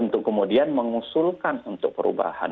untuk kemudian mengusulkan untuk perubahan